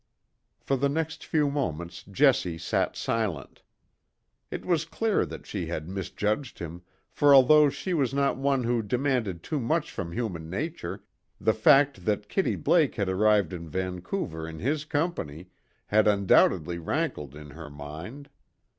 For the next few moments Jessie sat silent. It was clear that she had misjudged him, for although she was not one who demanded too much from human nature, the fact that Kitty Blake had arrived in Vancouver in his company had undoubtedly rankled in her mind.